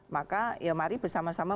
maka ya mari bersama sama